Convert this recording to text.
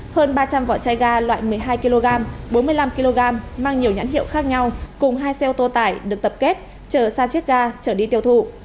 hơn ba trăm linh vỏ chai ga loại một mươi hai kg bốn mươi năm kg mang nhiều nhãn hiệu khác nhau cùng hai xe ô tô tải được tập kết chở san chết ga chở đi tiêu thụ